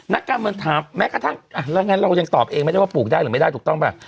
นักการเมืองถามแม้กระทั่งแล้วงั้นเรายังตอบเองไม่ได้ว่าปลูกได้หรือไม่ได้ถูกต้องป่ะ